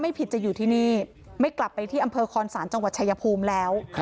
ไม่กลับไปที่อำเภอคลสารจังหวัดชายภูมิแล้ว